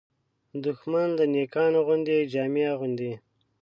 دښمن د نېکانو غوندې جامې اغوندي